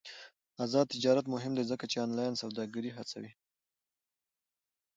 آزاد تجارت مهم دی ځکه چې آنلاین سوداګري هڅوي.